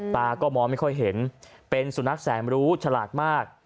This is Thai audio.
ตาก็มองไม่ค่อยเห็นเป็นสุนัขแสนรู้ฉลาดมาก